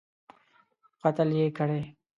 قتل یې کړی.